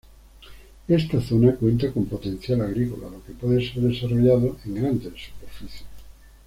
Esta zona cuenta con potencial agrícola la que puede ser desarrollada en grandes superficies.